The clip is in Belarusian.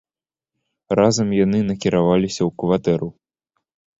Разам яны накіраваліся ў кватэру.